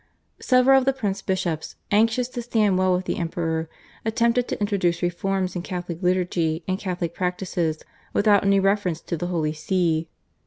Several of the prince bishops anxious to stand well with the Emperor attempted to introduce reforms in Catholic liturgy and Catholic practices without any reference to the Holy See.